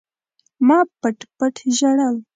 ما پټ پټ ژړل.